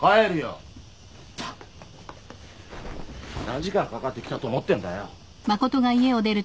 何時間かかって来たと思ってんだよ。